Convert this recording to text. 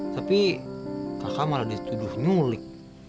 tapi kakak malah dituduh nyulik